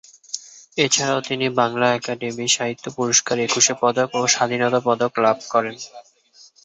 এছাড়াও তিনি বাংলা একাডেমি সাহিত্য পুরস্কার, একুশে পদক ও স্বাধীনতা পদক লাভ করেন।